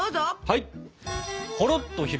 はい！